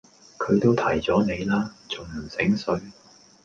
佢都提左你啦！仲唔醒水